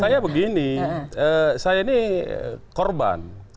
saya begini saya ini korban